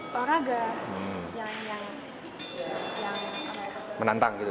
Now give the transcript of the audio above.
memegang senate utama itu